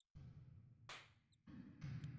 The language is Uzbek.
Bugun mazkur avtoraqam yana qayta sotuvga qoʻyildi.